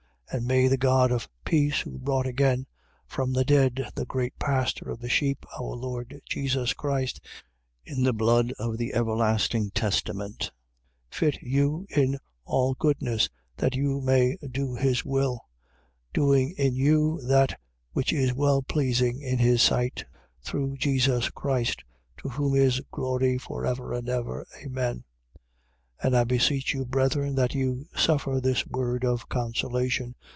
13:20. And may the God of peace, who brought again from the dead the great pastor of the sheep, our Lord Jesus Christ, in the blood of the everlasting testament, 13:21. Fit you in all goodness, that you may do his will; doing in you that which is well pleasing in his sight, through Jesus Christ, to whom is glory for ever and ever. Amen. 13:22. And I beseech you, brethren, that you suffer this word of consolation.